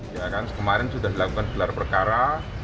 ya kan kemarin sudah dilakukan gelar perkara